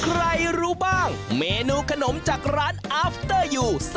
รู้บ้างเมนูขนมจากร้านอาฟเตอร์ยู